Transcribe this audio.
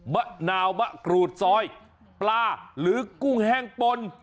มะนาวมะกรูดซอยปลาหรือกุ้งแห้งปน